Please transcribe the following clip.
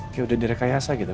kayak udah direkayasa gitu